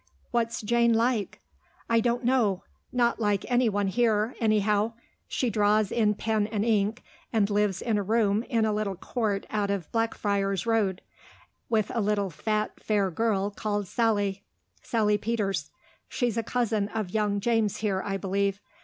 "What's Jane like?" "I don't know.... Not like anyone here, anyhow. She draws in pen and ink, and lives in a room in a little court out of Blackfriars Road, with a little fat fair girl called Sally. Sally Peters; she's a cousin of young James here, I believe.